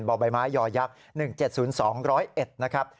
บ่อใบไม้ยอยักษ์๑๗๐๒๐๑นะครับ